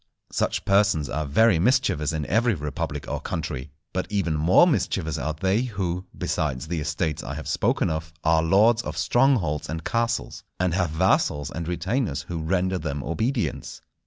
Such persons are very mischievous in every republic or country. But even more mischievous are they who, besides the estates I have spoken of, are lords of strongholds and castles, and have vassals and retainers who render them obedience.